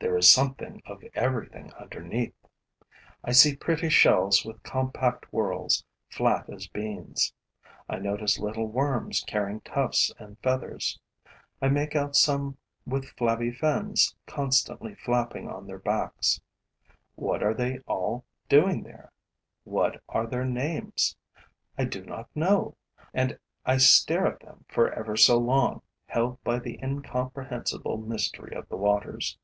There is something of everything underneath. I see pretty shells with compact whorls, flat as beans; I notice little worms carrying tufts and feathers; I make out some with flabby fins constantly flapping on their backs. What are they all doing there? What are their names? I do not know. And I stare at them for ever so long, held by the incomprehensible mystery of the waters.